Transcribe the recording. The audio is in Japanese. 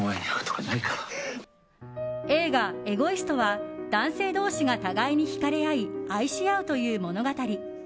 映画「エゴイスト」は男性同士が互いに引かれ合い愛し合うという物語。